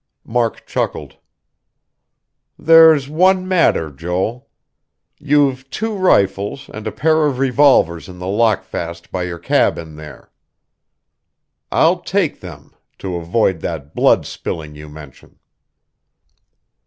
Mark chuckled. "There's one matter, Joel. You've two rifles and a pair of revolvers in the lockfast by your cabin there. I'll take them to avoid that blood spilling you mention."